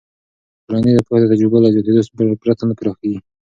ټولنیز پوهه د تجربو له زیاتېدو پرته نه پراخېږي.